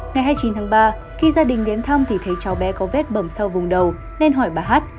ngày hai mươi chín tháng ba khi gia đình đến thăm thì thấy cháu bé có vết bẩm sau vùng đầu nên hỏi bà hát